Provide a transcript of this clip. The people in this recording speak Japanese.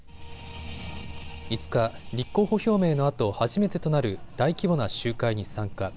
５日、立候補表明のあと初めてとなる大規模な集会に参加。